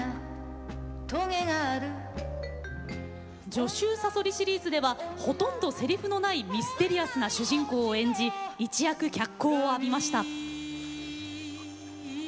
「女囚さそり」シリーズではほとんどせりふのないミステリアスな主人公を演じ一躍脚光を浴びました。